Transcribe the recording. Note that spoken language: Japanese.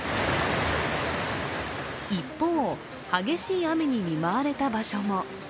一方、激しい雨に見舞われた場所も。